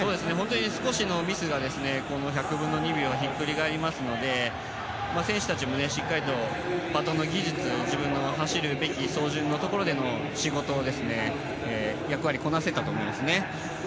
少しのミスが１００分の２秒をひっくり返りますので選手たちもしっかりとバトンの技術、自分の走るべき走順のところでの役割こなせたと思います。